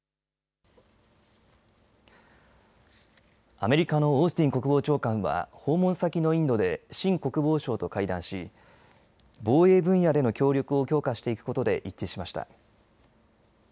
アメリカのオースティン国防長官は訪問先のインドでシン国防相と会談し防衛分野での協力を強化していくことで一致しました。